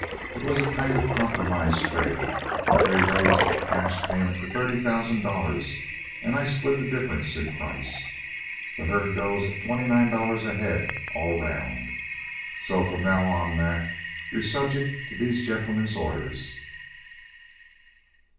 "It was a kind of compromise trade; they raised the cash payment to thirty thousand dollars, and I split the difference in price. The herd goes at $29 a head all round. So from now on, Mac, you're subject to these gentlemen's orders."